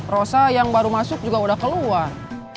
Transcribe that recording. rosa yang baru masuk juga udah keluar